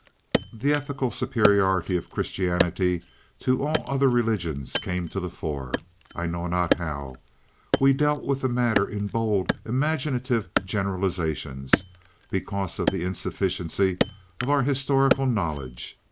The ethical superiority of Christianity to all other religions came to the fore—I know not how. We dealt with the matter in bold, imaginative generalizations, because of the insufficiency of our historical knowledge.